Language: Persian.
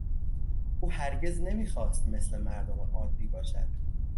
او هرگز نمیخواست مثل مردم عادی باشد.